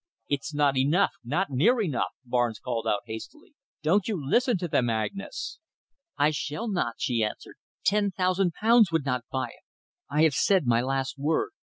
"It's not enough, not near enough," Barnes called out hastily. "Don't you listen to them, Agnes." "I shall not," she answered. "Ten thousand pounds would not buy it. I have said my last word.